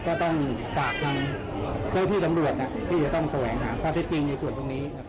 ก็ต้องฝากทางเจ้าที่ตำรวจที่จะต้องแสวงหาข้อเท็จจริงในส่วนตรงนี้ครับ